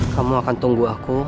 kamu akan tunggu aku